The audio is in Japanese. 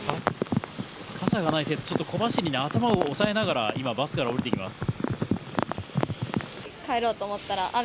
傘がない生徒が小走りに頭を押さえながら今、バスから降りてきます。